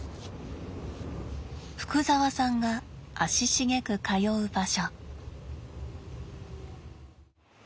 福澤さんが足しげく通う場所。